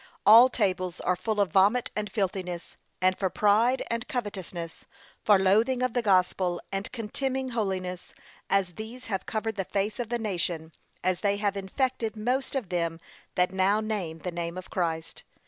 All tables are full of vomit and filthiness. And for pride and covetousness, for loathing of the gospel, and contemning holiness, as these have covered the face of the nation, as they have infected most of them that now name the name of Christ.